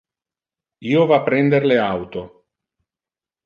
Io va a prender le auto.